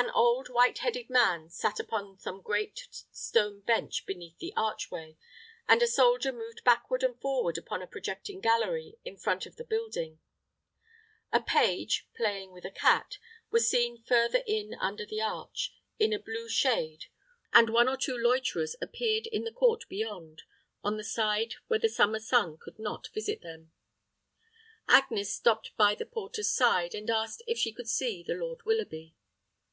An old white headed man sat upon the great stone bench beneath the archway; and a soldier moved backward and forward upon a projecting gallery in front of the building. A page, playing with a cat, was seen further in under the arch, in the blue shade, and one or two loiterers appeared in the court beyond, on the side where the summer sun could not visit them. Agnes stopped by the porter's side, and asked if she could see the Lord Willoughby.